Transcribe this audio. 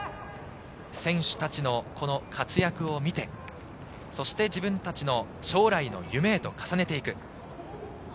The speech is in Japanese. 選手たちのこの活躍を見て、そして自分たちの将来の夢へと重ねていく。